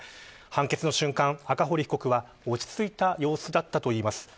判決の瞬間、赤堀被告は落ち着いた様子だったといいます。